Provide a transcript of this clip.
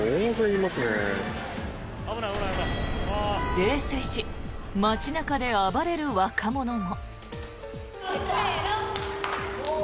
泥酔し、街中で暴れる若者も。